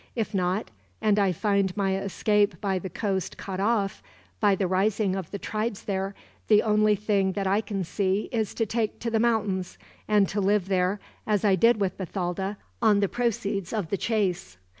If not, and I find my escape by the coast cut off, by the rising of the tribes there, the only thing that I can see is to take to the mountains; and to live there, as I did with Bathalda, on the proceeds of the chase.